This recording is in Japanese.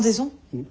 うん。